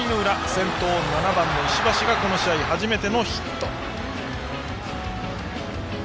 先頭の７番、石橋がこの試合初めてのヒット。